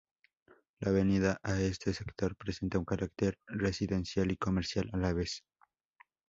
La avenida en este sector presenta un carácter residencial y comercial a la vez.